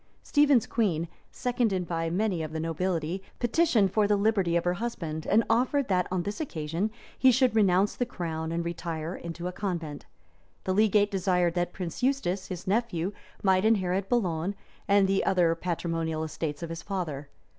Stephen's queen, seconded by many of the nobility, petitioned for the liberty of her husband; and offered, that, on this condition, he should renounce the crown, and retire into a convent. The legate desired that Prince Eustace, his nephew, might inherit Boulogne and the other patrimonial estates of his father.